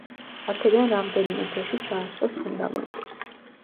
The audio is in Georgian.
აქედან რამდენიმე თვეში ჩაასხეს ფუნდამენტი.